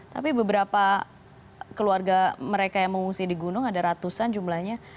tapi beberapa keluarga mereka yang mengungsi di gunung ada ratusan jumlahnya